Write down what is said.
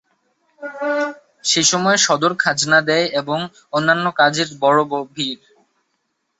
সেই সময় সদর খাজনা দেয় এবং অন্যান্য কাজের বড়ো ভিড়।